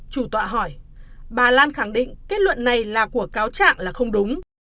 chủ tọa hỏi bà lan khẳng định kết luận này là của cáo trạng là không đúng